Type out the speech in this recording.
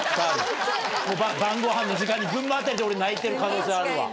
晩ごはんの時間に群馬辺りで俺泣いてる可能性あるわ。